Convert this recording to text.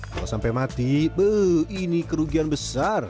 kalau sampai mati ini kerugian besar